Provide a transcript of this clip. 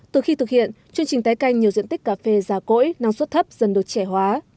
từ khi thực hiện chương trình tái canh nhiều diện tích cà phê già cỗi năng suất thấp dần được trẻ hóa